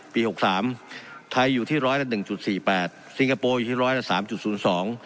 ปี๖๓ไทยอยู่ที่๑๐๑๔๘สิงคโปรอยู่ที่๑๐๓๐๒